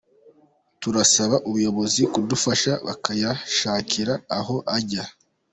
Turasaba ubuyobozi kudufasha bakayashakira aho ajya .